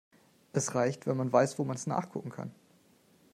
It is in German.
Es reicht, wenn man weiß, wo man es nachgucken kann.